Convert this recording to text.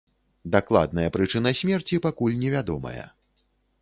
Дакладная прычына смерці пакуль невядомая.